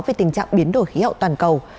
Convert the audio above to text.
về tình trạng biến đổi khí hậu toàn cầu